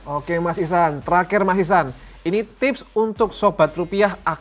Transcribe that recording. oke mas ihsan terakhir mas ihsan ini tips untuk sobat rupiah agar terhindar dari yang namanya prank